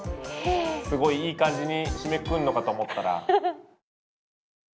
すごいいい感じに締めくくんのかと思ったら。